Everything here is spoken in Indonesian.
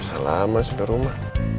masalah mas udah rumah